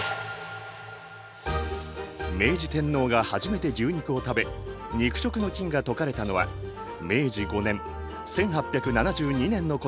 明治天皇が初めて牛肉を食べ肉食の禁が解かれたのは明治５年１８７２年のことである。